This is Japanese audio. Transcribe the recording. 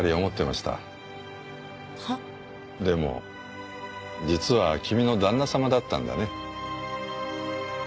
でも実は君の旦那様だったんだね。